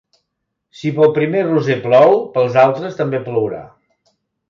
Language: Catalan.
Si pel primer Roser plou, pels altres també plourà.